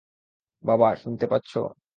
বাবা, শুনতে পাচ্ছো?